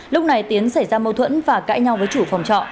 lúc này tiến xảy ra mâu thuẫn và cãi nhau với chủ phòng trọ